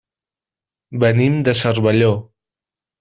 Venim de Cervelló.